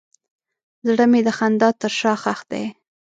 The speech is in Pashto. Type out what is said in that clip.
زړه مې د خندا تر شا ښخ دی.